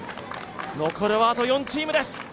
残るはあと４チームです。